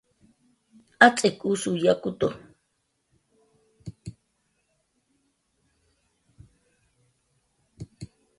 Atz'ik usuw yakutu